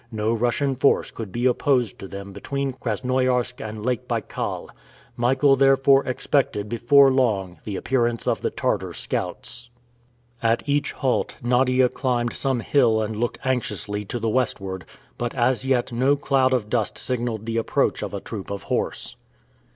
No Russian force could be opposed to them between Krasnoiarsk and Lake Baikal, Michael therefore expected before long the appearance of the Tartar scouts. At each halt, Nadia climbed some hill and looked anxiously to the Westward, but as yet no cloud of dust had signaled the approach of a troop of horse.